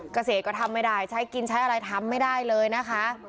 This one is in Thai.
เกษตรก็ทำไม่ได้ใช้กินใช้อะไรทำไม่ได้เลยนะคะ